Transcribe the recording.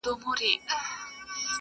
• بې یسینه بې وصیته په کفن یو -